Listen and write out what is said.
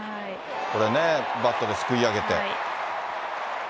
これね、バットですくい上げて。